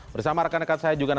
bersama rekan rekan saya juga